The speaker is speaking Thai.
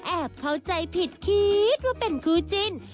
เข้าใจผิดคิดว่าเป็นคู่จิ้น